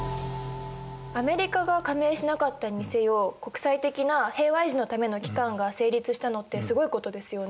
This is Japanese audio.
アメリカが加盟しなかったにせよ国際的な平和維持のための機関が成立したのってすごいことですよね。